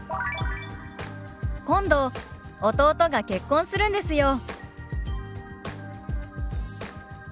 「今度弟が結婚するんですよ」。